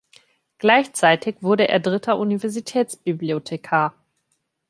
Gleichzeitig wurde er dritter Universitätsbibliothekar.